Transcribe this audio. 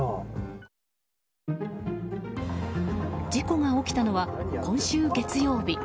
事故が起きたのは今週月曜日。